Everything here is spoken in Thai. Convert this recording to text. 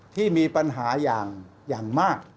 ที่มีปัญหาอย่างมาก